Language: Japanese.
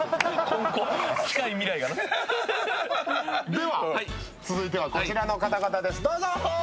では続いてはこちらの方々です、どうぞ！